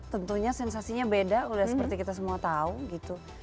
tentunya sensasinya beda udah seperti kita semua tahu gitu